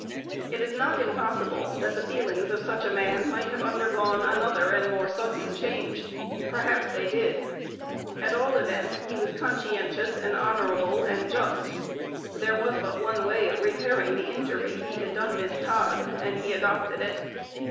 It is not impossible that the feelings of such a man might have undergone another and more sudden change. Perhaps they did. At all events, he was conscientious and honorable and just. There was but one way of repairing the injury he had done Miss Todd, and he adopted it.